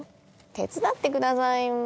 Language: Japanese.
手伝ってくださいよ。